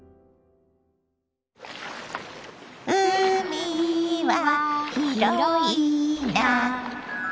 「うみはひろいな」